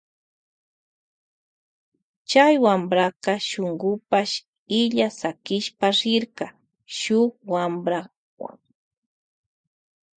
Chay wampraka shungupash illa sakishpa rirka shuk wamprawuan.